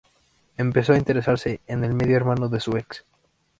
Empezó a interesarse en el medio hermano de su ex.